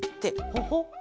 ほほっ。